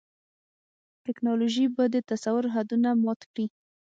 ټیکنالوژي به د تصور حدونه مات کړي.